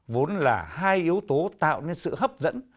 vốn là hai yếu tố tạo nên sự hấp dẫn